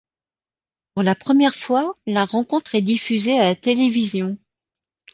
Pour la première fois, la rencontre est diffusée à la télévision.